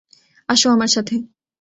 আসো আমার সাথে।